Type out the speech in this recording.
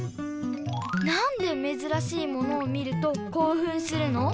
なんでめずらしいものを見るとこうふんするの？